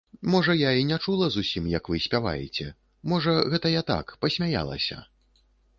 Можа, я і не чула зусім, як вы спяваеце, можа, гэта я так, пасмяялася.